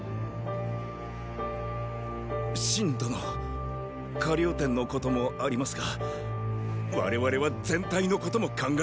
信殿河了貂のこともありますが我々は全体のことも考えねば。